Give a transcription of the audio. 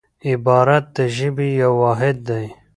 عبارت د ژبي یو واحد دئ.